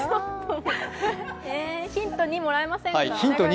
ヒント２、もらえませんか？